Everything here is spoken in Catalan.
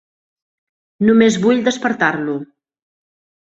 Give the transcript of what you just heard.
Només vull despertar-lo.